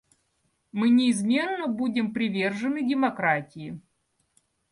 Мы неизменно будем привержены демократии.